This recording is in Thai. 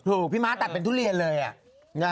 พี่ม้าตัดเป็นทุเรียนเลย